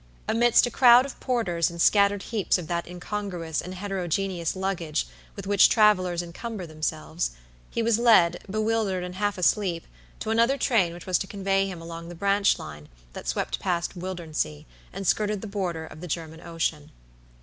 Amidst a crowd of porters and scattered heaps of that incongruous and heterogeneous luggage with which travelers incumber themselves, he was led, bewildered and half asleep, to another train which was to convey him along the branch line that swept past Wildernsea, and skirted the border of the German Ocean.